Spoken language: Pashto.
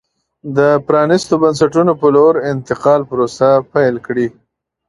د پرانېستو بنسټونو په لور انتقال پروسه پیل کړي.